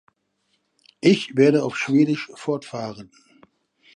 Ich werde auf Schwedisch fortfahren.